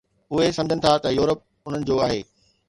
اهي سمجهن ٿا ته يورپ انهن جو آهي